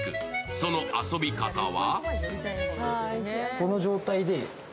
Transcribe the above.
その遊び方は？